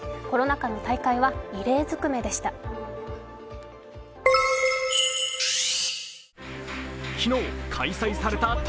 コロナ禍の大会は異例ずくめでした。